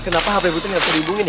kenapa hape putri gak terhubungin ya